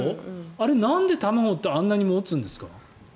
あれ、なんで卵ってあんなに持つんですか？